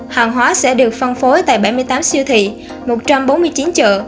hàng hóa sẽ được phân phối tại bảy mươi tám siêu thị một trăm bốn mươi chín chợ